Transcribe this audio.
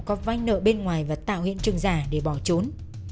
có vai nợ bên ngoài và tạo hiện trường giả để bỏ trốn